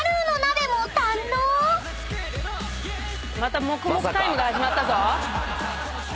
また黙々タイムが始まったぞ。